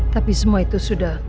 tapi semua itu sudah